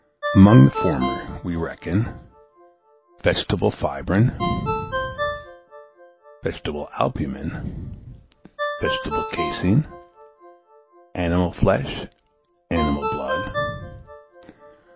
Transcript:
Among the former we reckon Vegetable fibrine. Vegetable albumen. Vegetable caseine. Animal flesh. Animal blood.